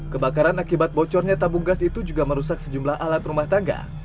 kebakaran akibat bocornya tabung gas itu juga merusak sejumlah alat rumah tangga